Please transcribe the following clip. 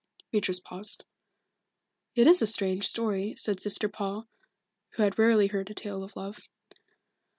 Beatrice paused. "It is a strange story," said Sister Paul, who had rarely heard a tale of love.